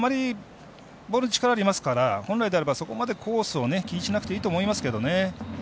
ボールに力がありますから本来であれば、そこまでコースを気にしなくていいと思いますけどね。